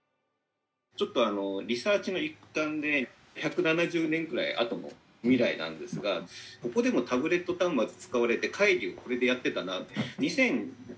ちょっとリサーチの一端で１７０年ぐらい後の未来なんですがここでもタブレット端末使われて会議をこれでやってたなと。